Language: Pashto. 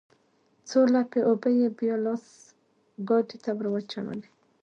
څو لپې اوبه يې بيا لاس ګاډي ته ورواچولې.